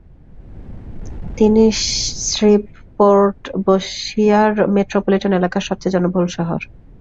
এটি Shreveport Bossier metropolitan এলাকার সবচেয়ে জনবহুল শহর।